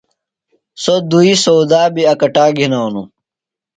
سوۡ دُئی سودا بیۡ اکٹا گِھنانوۡ۔